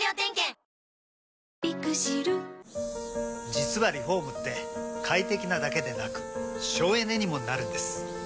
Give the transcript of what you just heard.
実はリフォームって快適なだけでなく省エネにもなるんです。